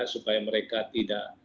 supaya mereka tidak